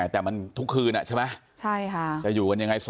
แต่มันทุกคืนใช่ไหมจะอยู่กันยังไง